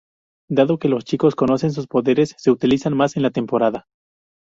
Dado que los chicos conocen sus poderes, se utilizan más en la temporada.